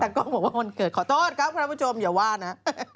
แต่กล้องบอกว่าวันเกิดขอโทษครับคุณผู้ชมอย่าว่านะ